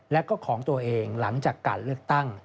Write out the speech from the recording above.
และก็ของตัวเองหลังจากการเลือกตั้ง